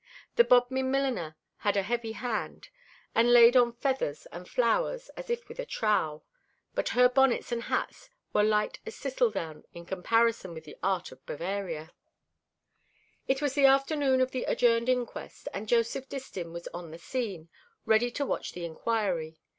The Bodmin milliner had a heavy hand, and laid on feathers and flowers as if with a trowel; but her bonnets and hats were light as thistledown in comparison with the art of Bavaria. It was the afternoon of the adjourned inquest, and Joseph Distin was on the scene, ready to watch the inquiry.